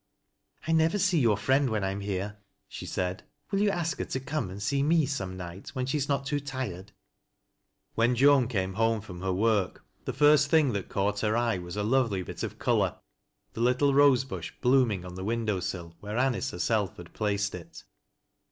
" I never see your friend when I am here," she aaidj " will you ask her to come and see i>ie some night when gbe is not too tired ?" 94 THAT LASS O LO WJUE'S. When Joan came home from her work, the first thing that caught her eye was a lovely bit of color, the littlf rose bush blooming on the window sill where Anice her self had placed it.